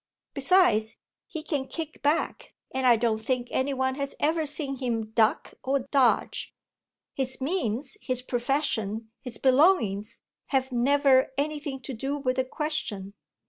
Besides, he can kick back and I don't think any one has ever seen him duck or dodge. His means, his profession, his belongings have never anything to do with the question.